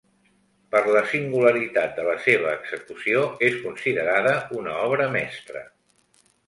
Per la singularitat de la seva execució, és considerada una obra mestra.